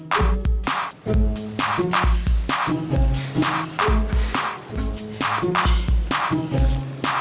ya anggap aja itu musibah